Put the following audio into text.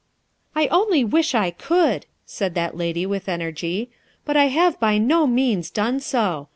"I only wish I could!" said that lady with energy, "but I have by no means done so.